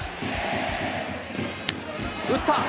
打った！